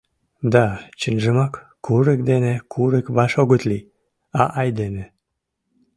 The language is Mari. Да, чынжымак, курык дене курык ваш огыт лий, а айдеме...